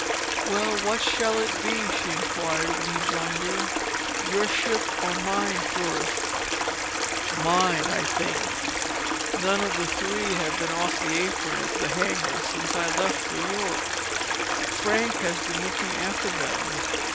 "Well, what shall it be?" she inquired when he joined her. "Your ship or mine, first?" "Mine, I think. None of the three has been off the apron of the hangar since I left for Europe. Frank has been looking after them.